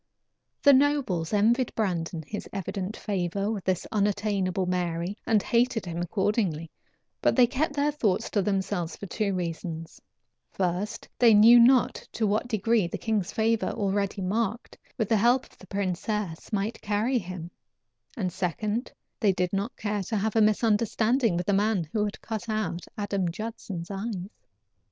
The nobles envied Brandon his evident favor with this unattainable Mary and hated him accordingly, but they kept their thoughts to themselves for two reasons: First, they knew not to what degree the king's favor, already marked, with the help of the princess might carry him; and second, they did not care to have a misunderstanding with the man who had cut out Adam Judson's eyes.